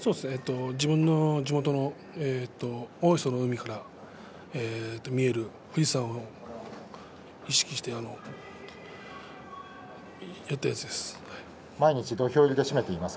自分の地元の大磯の海から見える富士山を意識してやったやつです。